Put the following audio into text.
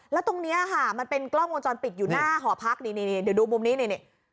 แล้วตรงนี้ค่ะมันเป็นกล้องวงจรปิดอยู่หน้าหอพักนี่เดี๋ยวดูมุมนี้นี่